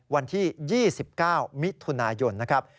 วันที่๒๙มิถุนายนนะครับ